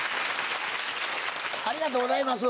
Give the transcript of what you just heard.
ありがとうございます